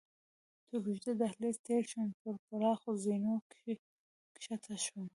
تر اوږده دهلېز تېر شوم، پر پراخو زینو کښته شوم.